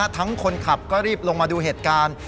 คนขับก็รีบลงมาดูเหตุการณ์